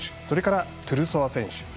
それから、トゥルソワ選手。